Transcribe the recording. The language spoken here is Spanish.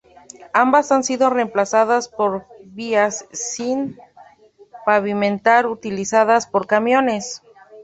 Ambas han sido reemplazadas por vías sin pavimentar utilizadas por camiones.